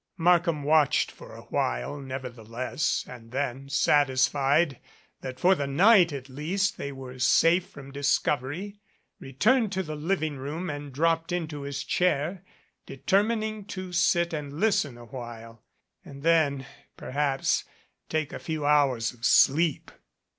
Markham watched for a while, nevertheless, and then, satisfied that for the night at least they were safe from 224 THE EMPTY HOUSE discovery, returned to the living room and dropped into his chair, determining to sit and listen a while and then perhaps take a few hours of sleep.